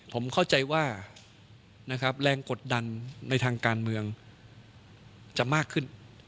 ผมเข้าใจว่านะครับแรงกดดันในทางการเมืองจะมากขึ้น